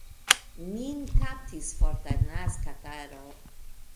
Min kaptis forta nazkataro.